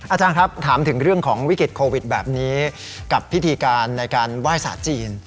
อาจารย์ครับถามถึงเรื่องของวิกฤตโควิดแบบนี้กับพิธีการในการไหว้ศาสตร์จีน